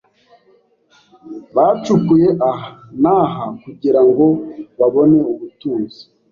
Bacukuye aha n'aha kugirango babone ubutunzi.